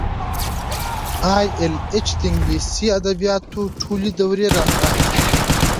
ای ایل ایچ د انګلیسي ادبیاتو ټولې دورې رانغاړي.